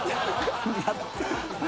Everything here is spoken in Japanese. やってる。